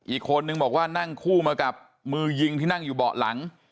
อีกคนนึงบอกว่านั่งคู่มากับมือยิงที่นั่งอยู่เบาะหลัง